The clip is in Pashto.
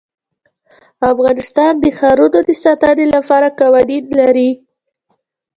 افغانستان د ښارونو د ساتنې لپاره قوانین لري.